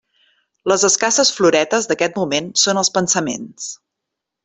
Les escasses floretes d'aquest moment són els pensaments.